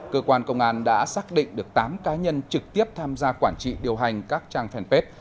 cơ quan công an đã xác định được tám cá nhân trực tiếp tham gia quản trị điều hành các trang fanpage